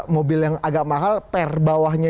mobil yang agak mahal per bawahnya